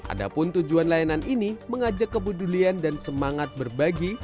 adapun tujuan layanan ini mengajak kepedulian dan semangat berbagi